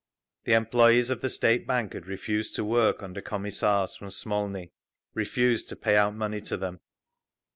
The employees of the State Bank had refused to work under Commissars from Smolny, refused to pay out money to them.